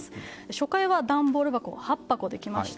初回は段ボール箱８箱できました。